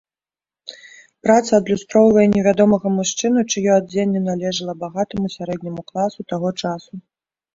Праца адлюстроўвае невядомага мужчыну, чыё адзенне належала багатаму сярэдняму класу таго часу.